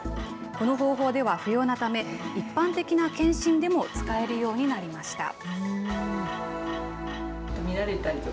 この方法では不要なため、一般的な検診でも使えるようになりました。